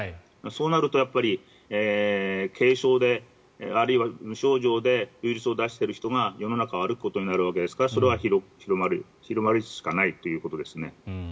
そうなると軽症で、あるいは無症状でウイルスを出している人が世の中を歩くことになるわけですからそれは広まるしかないということですね。